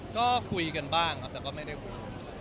ก็คุยกันบ้างครับแต่ก็ไม่ได้คุย